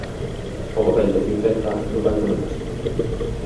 O papel de Cincenta non vai con elas.